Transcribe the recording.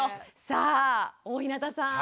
さあ大日向さん